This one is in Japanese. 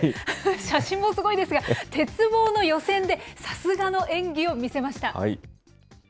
写真もすごいですが、鉄棒の予選で、さすがの演技を見せました。